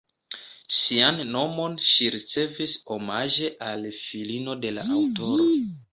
Sian nomon ŝi ricevis omaĝe al filino de la aŭtoro.